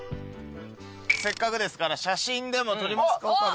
せっかくですから写真でも撮りますか岡部。